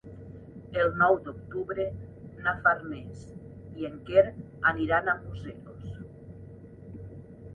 El nou d'octubre na Farners i en Quer aniran a Museros.